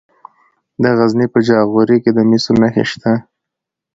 د غزني په جاغوري کې د مسو نښې شته.